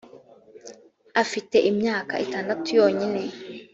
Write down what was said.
afite imyaka itandatu yonyine.